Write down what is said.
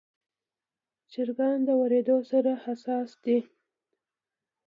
چرګان د وریدو سره حساس دي.